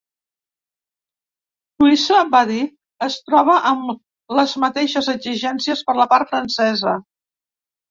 Suïssa –va dir– es troba amb les mateixes exigències per la part francesa.